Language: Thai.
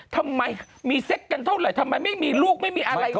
ทำไมมีเซ็กกันเท่าไหร่ทำไมไม่มีลูกไม่มีอะไร